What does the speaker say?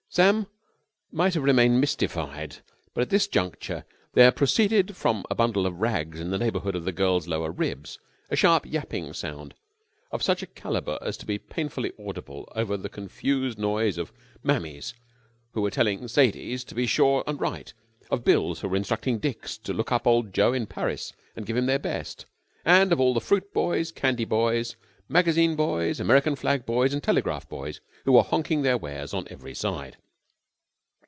Sam might have remained mystified, but at this juncture there proceeded from a bundle of rugs in the neighbourhood of the girl's lower ribs a sharp yapping sound, of such a calibre as to be plainly audible over the confused noise of Mamies who were telling Sadies to be sure and write, of Bills who were instructing Dicks to look up old Joe in Paris and give him their best, and of all the fruit boys, candy boys, magazine boys, American flag boys, and telegraph boys who were honking their wares on every side.